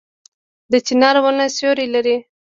د چنار ونه سیوری لري